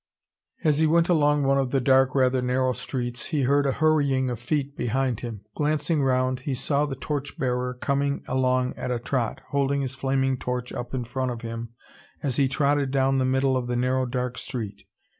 As he went along one of the dark, rather narrow streets, he heard a hurrying of feet behind him. Glancing round, he saw the torch bearer coming along at a trot, holding his flaming torch up in front of him as he trotted down the middle of the narrow dark street.